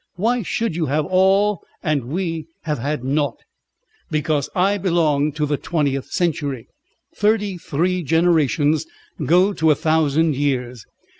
Why should you have all and we have had naught?" "Because I belong to the twentieth century. Thirty three generations go to a thousand years.